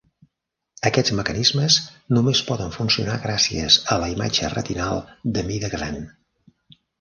Aquests mecanismes només poden funcionar gràcies a la imatge retinal de mida gran.